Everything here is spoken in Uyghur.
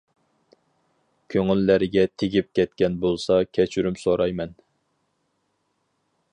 كۆڭۈللەرگە تېگىپ كەتكەن بولسا كەچۈرۈم سورايمەن.